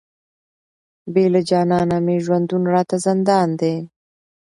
بې له جانانه مي ژوندون راته زندان دی،